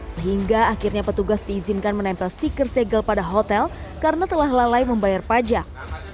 sehingga akhirnya petugas diizinkan menempel stiker segel pada hotel karena telah lalai membayar pajak